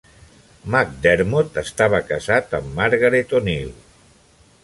McDermott estava casat amb Margaret O'Neill.